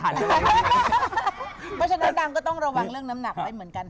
เพราะฉะนั้นดังก็ต้องระวังเรื่องน้ำหนักไว้เหมือนกัน